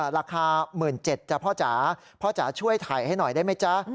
ราคา๑๗๐๐๐บาทพ่อจ๋าช่วยถ่ายให้หน่อยได้ไหมจ๊ะ